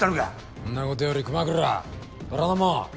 そんなことより熊倉虎ノ門。